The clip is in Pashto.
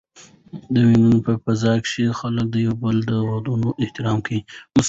د مېلو په فضا کښي خلک د یو بل د دودونو احترام کوي.